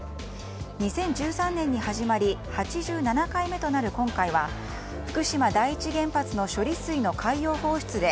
２０１３年に始まり８７回目となる今回は福島第一原発の処理水の海洋放出で